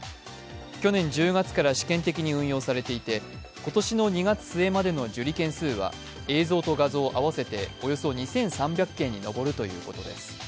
去年１０月から試験的に運用されていて、今年の２月末までの受理件数は映像と画像合わせておよそ２３００件に上るということです。